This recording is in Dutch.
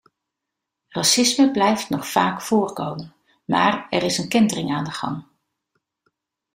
Racisme blijft nog vaak voorkomen, maar er is een kentering aan de gang.